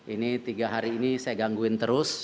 ini tiga hari ini saya gangguin terus